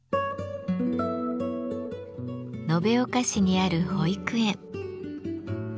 延岡市にある保育園。